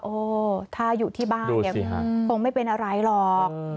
โอ้ถ้าอยู่ที่บ้านเนี่ยคงไม่เป็นอะไรหรอก